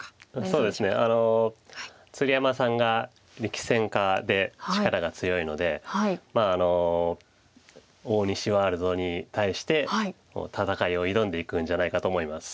そうですね鶴山さんが力戦家で力が強いのでまあ大西ワールドに対して戦いを挑んでいくんじゃないかと思います。